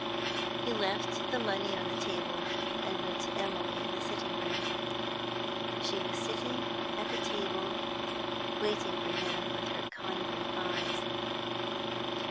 He left the money on the table and went to Emily in the sitting room. She was sitting at the table waiting for him with her kindly eyes.